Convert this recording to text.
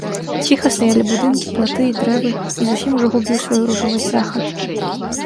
Ціха стаялі будынкі, платы і дрэвы, і зусім ужо губіў сваю ружовасць захад.